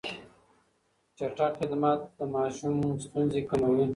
چټک خدمت د ماشوم ستونزې کموي.